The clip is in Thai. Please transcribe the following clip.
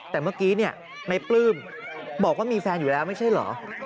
แต่เมื่อกี้ในปลื้มบอกว่ามีแฟนอยู่แล้วไม่ใช่เหรอ